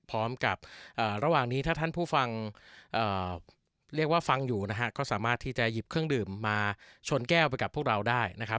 พร้อมกับระหว่างนี้ถ้าท่านผู้ฟังเรียกว่าฟังอยู่นะฮะก็สามารถที่จะหยิบเครื่องดื่มมาชนแก้วไปกับพวกเราได้นะครับ